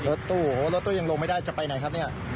รถตู้โอ้โหรถตู้ยังลงไม่ได้จะไปไหนครับเนี่ย